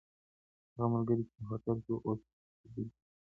هغه ملګری چې په هوټل کې و، اوس په دوبۍ کې دی.